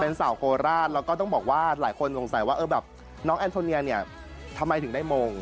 เป็นสาวโคราชแล้วก็ต้องบอกว่าหลายคนสงสัยว่าเออแบบน้องแอนโทเนียเนี่ยทำไมถึงได้มง